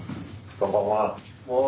こんばんは。